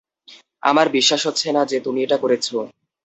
আমার বিশ্বাস হচ্ছে না যে, তুমি এটা করেছ।